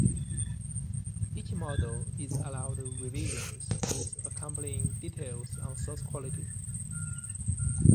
Each model is allowed revisions with accompanying details on source quality.